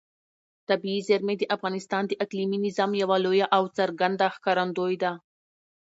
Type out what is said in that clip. طبیعي زیرمې د افغانستان د اقلیمي نظام یوه لویه او څرګنده ښکارندوی ده.